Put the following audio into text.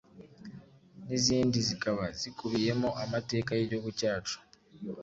n’izindi zikaba zikubiyemo amateka y’Igihugu cyacu